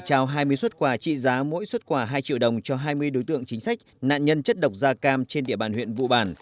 trao hai mươi xuất quà trị giá mỗi xuất quà hai triệu đồng cho hai mươi đối tượng chính sách nạn nhân chất độc da cam trên địa bàn huyện vụ bản